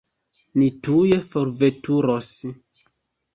Ni tuj forveturos.